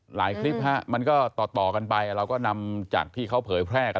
หลายคลิปฮะมันก็ต่อกันไปเราก็นำจากที่เขาเผยแพร่กัน